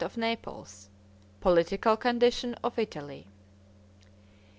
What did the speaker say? of Naples Political condition of Italy.